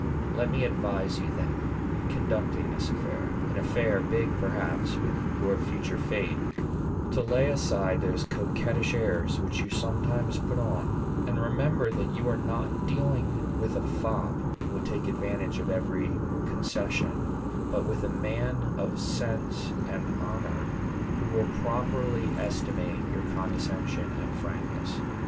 Let me advise you, then, in conducting this affair, an affair big, perhaps, with your future fate, to lay aside those coquettish airs which you sometimes put on; and remember that you are not dealing with a fop, who will take advantage of every concession, but with a man of sense and honor, who will properly estimate your condescension and frankness.